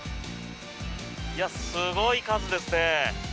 すごい数ですね。